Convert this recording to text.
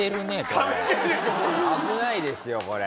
危ないですよこれ。